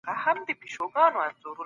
زه اوس خپل بدن اورم.